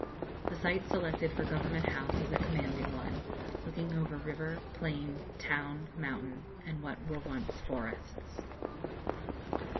The site selected for Government House is a commanding one, looking over river, plain, town, mountain, and what were once forests....